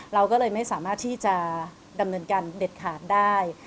เราก็เลยไม่สามารถที่จะดำเนินการเด็ดขาดได้